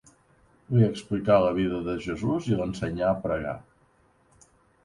Li explicà la vida de Jesús i l'ensenyà a pregar.